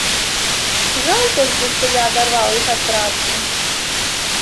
Жаль толькі, што я адарваў іх ад працы.